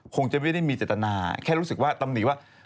คงจะไม่ได้มีเจตนาแค่รู้สึกว่าตำหนิว่า